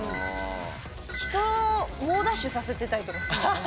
人を猛ダッシュさせてたりとかするのかな？